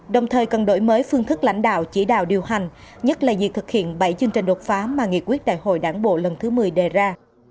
đồng thời cần đổi mới phương thức lãnh đạo chỉ đạo điều hành nhất là việc thực hiện bảy chương trình đột phá mà nghị quyết đại hội đảng bộ lần thứ một mươi đề ra